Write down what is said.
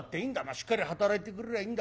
しっかり働いてくれりゃいいんだがな。